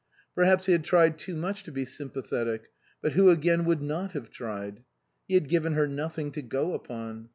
Perhaps he had tried too much to be sympathetic ; but who again would not have tried ? He had given her nothing to go upon.